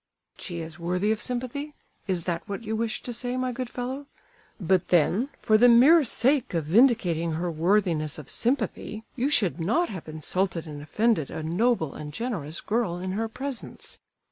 "She is worthy of sympathy? Is that what you wished to say, my good fellow? But then, for the mere sake of vindicating her worthiness of sympathy, you should not have insulted and offended a noble and generous girl in her presence!